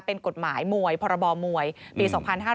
เป็นกฎหมายมวยพรบมวยปี๒๕๕๙